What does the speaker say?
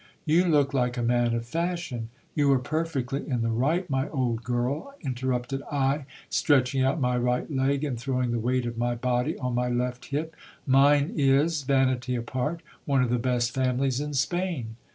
You look like a man of fashion ! You are perfecdy in the right, my old girl, interrupted I, stretching out my right leg, and throwing the weight of my body on my left hip ; mine is, vanity apart, one of the best families in Spain.